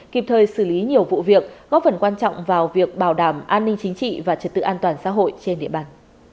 kịp thời xử lý nhiều vụ việc góp phần quan trọng vào việc bảo đảm an ninh chính trị và trật tự an toàn xã hội trên địa bàn